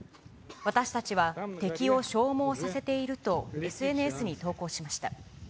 私たちは敵を消耗させているとＳＮＳに投稿しました。